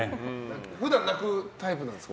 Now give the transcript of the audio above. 普段泣くタイプなんですか？